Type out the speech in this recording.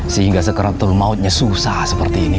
sehingga sekarang tulmautnya susah seperti ini